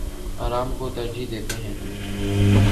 آرام کو ترجیح دیتے ہیں